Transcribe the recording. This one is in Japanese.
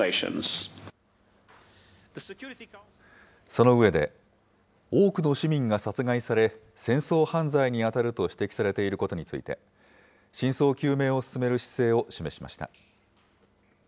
その上で、多くの市民が殺害され、戦争犯罪に当たると指摘されていることについて、真相究明を進める姿勢を示しました。